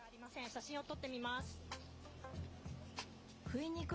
写真を撮ってみます。